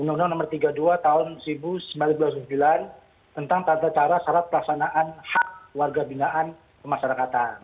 undang undang nomor tiga puluh dua tahun seribu sembilan ratus dua puluh sembilan tentang tata cara syarat pelaksanaan hak warga binaan pemasarakatan